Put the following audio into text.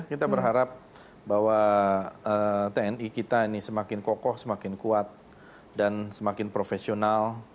kita berharap bahwa tni kita ini semakin kokoh semakin kuat dan semakin profesional